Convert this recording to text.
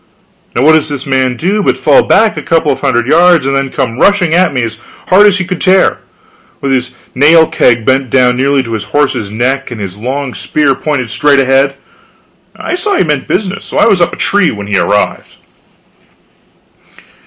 Now what does this man do but fall back a couple of hundred yards and then come rushing at me as hard as he could tear, with his nail keg bent down nearly to his horse's neck and his long spear pointed straight ahead. I saw he meant business, so I was up the tree when he arrived.